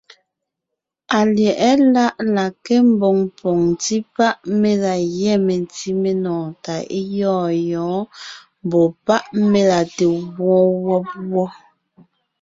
Alyɛ̌ʼɛ láʼ la nke mboŋ poŋ ńtí páʼ mé la gyɛ́ mentí menɔɔn tà é gyɔ̂ɔn yɔ̌ɔn, mbɔ̌ páʼ mé la te gwoon wɔ́b wɔ́.